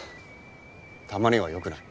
たまには良くない？